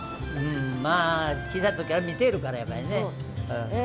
まあ小さい時から見ているからやっぱりね。